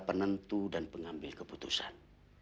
penentu dan pengambil keputusan